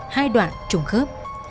hai đoạn trùng khớp